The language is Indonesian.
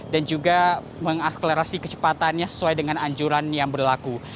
dan juga mengakselerasi kecepatannya sesuai dengan anjuran yang berlaku